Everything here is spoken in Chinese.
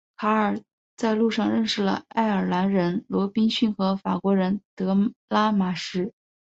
卡尔在路上认识了爱尔兰人罗宾逊和法国人德拉马什。